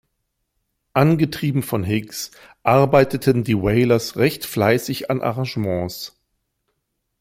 Angetrieben von Higgs arbeiteten die Wailers recht fleißig an Arrangements.